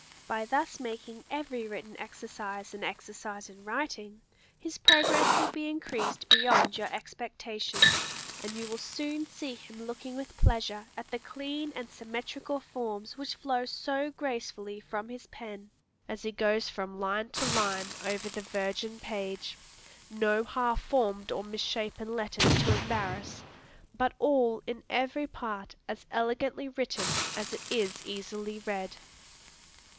By thus making every written exercise an exercise in writing, his progress will be increased beyond your expectations, and you will soon see him looking with pleasure at the clean and symmetrical forms which flow so gracefully from his pen, as he goes from line to line over the virgin page, no half formed or misshapen letters to embarrass, but all in every part as elegantly written as it is easily read.